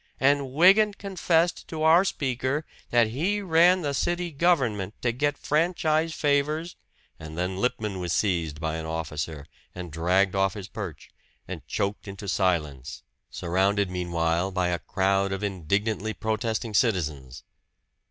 And Wygant confessed to our speaker that he ran the city government to get franchise favors " And then Lippman was seized by an officer and dragged off his perch, and choked into silence surrounded meanwhile by a crowd of indignantly protesting citizens.